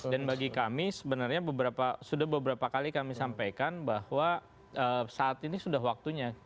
dan bagi kami sebenarnya sudah beberapa kali kami sampaikan bahwa saat ini sudah waktunya